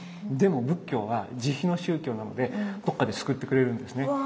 でも仏教は慈悲の宗教なのでどっかで救ってくれるんですね。